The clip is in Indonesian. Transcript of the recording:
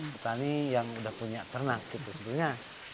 petani yang udah punya ternak gitu sebenarnya